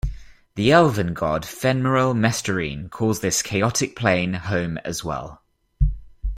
The elven god Fenmarel Mestarine calls this chaotic plane home as well.